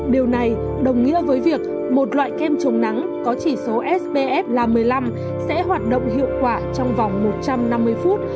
điều này đồng nghĩa với việc một loại kem chống nắng có chỉ số spf là một mươi năm sẽ hoạt động hiệu quả trong vòng một trăm năm mươi phút